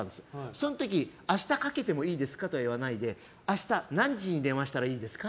その時、明日かけてもいいですかとは言わないで明日、何時に電話したらいいですか？